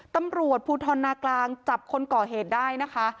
ตำรวจภูทรนากลางจับคนก่อเหตุได้นะคะ